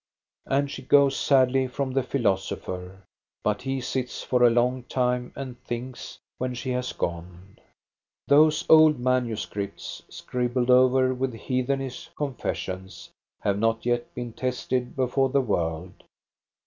And she goes sadly from the philosopher. But he sits for a long time and thinks, when she has gone. 26 402 THE STORY OF GOSTA BERLING. Those old manuscripts, scribbled over with heath enish confessions, have not yet been tested before the world.